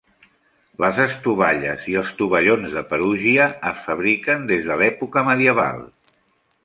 Les estovalles i els tovallons de Perugia es fabriquen des de l"època medieval.